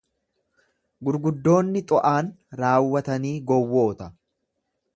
Gurguddoonni Xo'aan raawwatanii gowwoota.